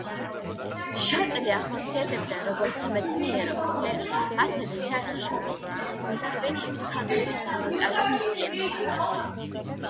შატლი ახორციელებდა როგორც სამეცნიერო-კვლევით, ასევე საერთაშორისო კოსმოსური სადგურის სამონტაჟო მისიებს.